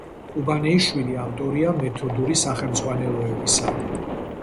ყუბანეიშვილი ავტორია მეთოდური სახელმძღვანელოებისა.